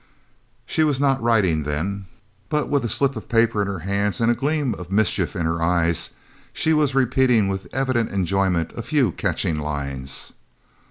She was not writing then, but, with a slip of paper in her hands and a gleam of mischief in her eyes, she was repeating with evident enjoyment a few catching lines.